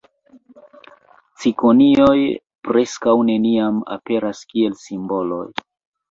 Cikonioj preskaŭ neniam aperas kiel simboloj.